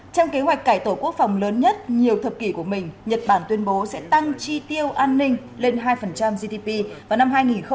trong kế hoạch cải tổ quốc phòng lớn nhất nhiều thập kỷ của mình nhật bản tuyên bố sẽ tăng chi tiêu an ninh lên hai gdp vào năm hai nghìn hai mươi